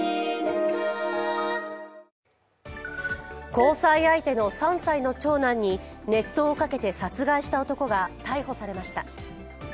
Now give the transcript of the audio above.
交際相手の３歳の長男に熱湯をかけて殺害した男が逮捕されました。